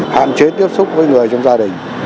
hạn chế tiếp xúc với người trong gia đình